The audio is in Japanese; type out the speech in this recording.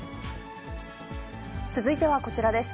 続いてはこちらです。